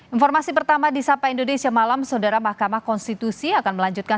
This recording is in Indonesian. informasi pertama di sapa indonesia malam saudara mahkamah konstitusi akan melanjutkan